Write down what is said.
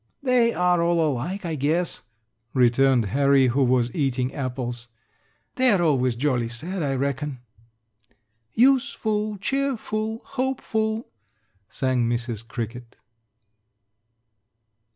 "They are all alike, I guess," returned Harry, who was eating apples. "They are always jolly sad, I reckon." "Use ful, cheer ful, hope ful," sang Mrs. Cricket.